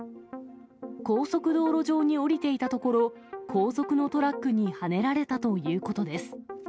高速道路上に降りていたところ、後続のトラックにはねられたということです。